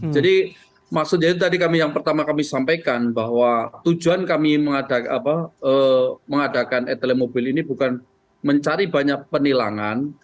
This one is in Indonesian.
jadi maksudnya tadi yang pertama kami sampaikan bahwa tujuan kami mengadakan etelemobil ini bukan mencari banyak penilangan